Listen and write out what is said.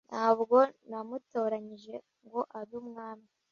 Nta bwo namutoranyije ngo abe umwami